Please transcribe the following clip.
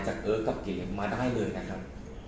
เอิร์กกับเก๋มาได้เลยนะครับ